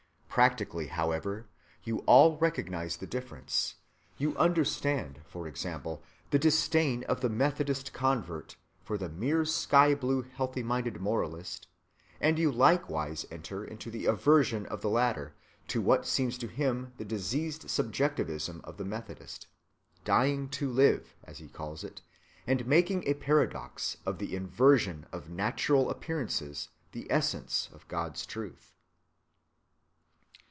Practically, however, you all recognize the difference: you understand, for example, the disdain of the methodist convert for the mere sky‐blue healthy‐minded moralist; and you likewise enter into the aversion of the latter to what seems to him the diseased subjectivism of the Methodist, dying to live, as he calls it, and making of paradox and the inversion of natural appearances the essence of God's truth.